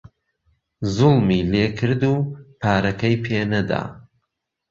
زووڵمی لێکرد و پارەکەی پێ نەدا